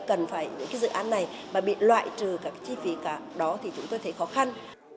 cần phải những cái dự án này mà bị loại trừ các chi phí cả đó thì chúng tôi thấy khó khăn